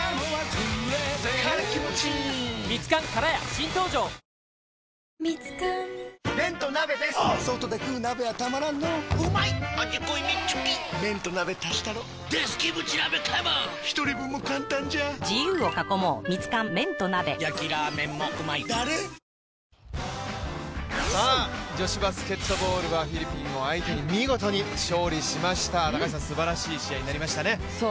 新しくなった女子バスケットボールはフィリピンを相手に見事に勝利しました、高橋さん、すばらしい試合になりましたね。